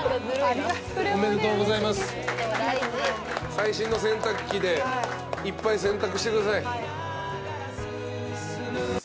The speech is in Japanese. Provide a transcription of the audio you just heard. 最新の洗濯機でいっぱい洗濯してください。